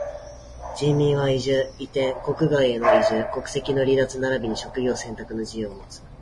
人民は居住、移転、国外への移住、国籍の離脱ならびに職業選択の自由をもつ。